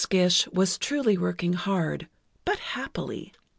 Gish was truly working hard, but happily.